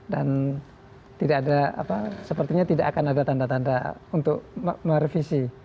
dan tidak ada apa sepertinya tidak akan ada tanda tanda untuk merevisi